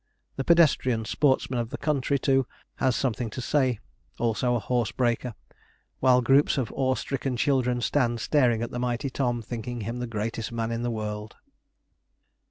The pedestrian sportsman of the country, too, has something to say; also a horse breaker; while groups of awe stricken children stand staring at the mighty Tom, thinking him the greatest man in the world.